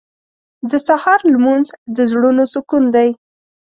• د سهار لمونځ د زړونو سکون دی.